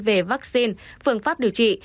về vaccine phương pháp điều trị